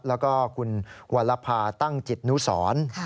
แล้วก็คุณวรภาตั้งจิตนุสร